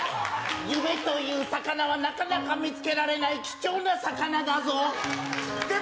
夢という魚はなかなか見つけられない貴重な魚だぞ。